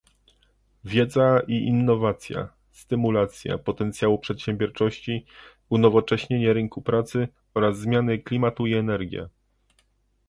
wiedza i innowacja, stymulacja potencjału przedsiębiorczości, unowocześnienie rynku pracy oraz zmiany klimatu i energia